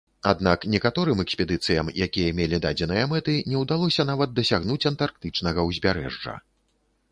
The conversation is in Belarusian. Аднак некаторым экспедыцыям, якія мелі дадзеныя мэты, не ўдалося нават дасягнуць антарктычнага ўзбярэжжа.